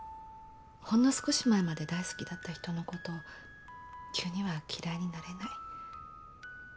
ほんの少し前まで大好きだった人のことを急には嫌いになれない。